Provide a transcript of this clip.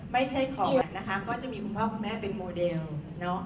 ไม่ใช่ข่อแฮนล์นะคะก็จะมีคุณพ่อคุณแม่มาเป็นโมเดล